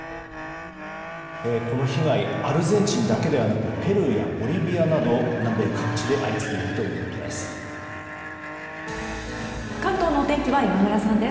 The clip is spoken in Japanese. この被害アルゼンチンだけではなくペルーやボリビアなど南米各地で相次いでいるということです。